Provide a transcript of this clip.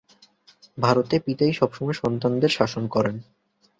ভারতে পিতাই সব সময় সন্তানদের শাসন করেন।